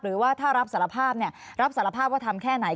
หรือว่าถ้ารับสารภาพรับสารภาพว่าทำแค่ไหน